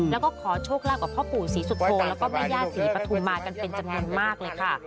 แล้วก็ขอโชคลาภกับพ่อปู่ศรีสุโธแล้วก็แม่ย่าศรีปฐุมากันเป็นจำนวนมากเลยค่ะ